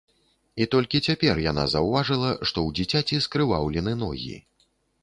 І толькі цяпер яна заўважыла, што ў дзіцяці скрываўлены ногі.